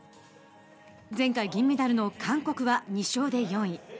前回銀メダルの韓国は２勝で４位。